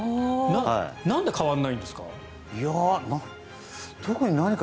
なんで変わらないんですか？